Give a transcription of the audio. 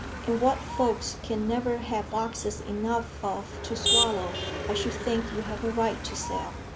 And what folks can never have boxes enough of to swallow, I should think you have a right to sell.